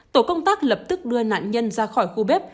tổ công tác lập tức đưa nạn nhân ra khỏi khu bếp